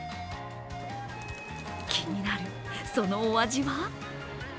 気になる、そのお味は？